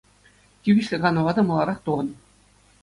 Тивӗҫлӗ канӑва та маларах тухӑн.